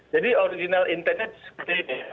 jadi original intent nya seperti ini